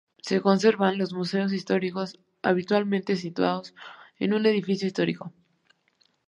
Se conservan en museos históricos, habitualmente situados en un edificio histórico.